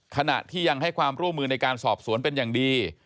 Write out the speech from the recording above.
ขณะที่ยังให้ความร่วมมือในการสอบสวนเป็นอย่างดี